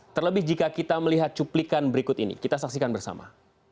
terlebih jika kita melihat cuplikan berikut ini kita saksikan bersama